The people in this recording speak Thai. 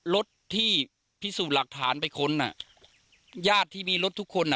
รถที่พิสูจน์หลักฐานไปค้นอ่ะญาติที่มีรถทุกคนอ่ะ